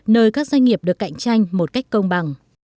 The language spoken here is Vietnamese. nơi các doanh nghiệp được cạnh tranh một cách công bằng